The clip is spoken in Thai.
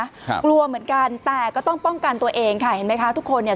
กลัวเหมือนกันแต่ก็ต้องป้องกันตัวเองค่ะเห็นไหมคะทุกคนเนี่ย